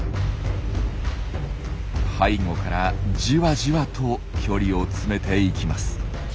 背後からじわじわと距離を詰めていきます。